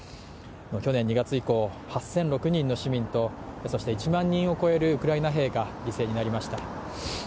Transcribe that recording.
去年２月以降、８００６人の市民と１万人を超えるウクライナ兵が犠牲になりました。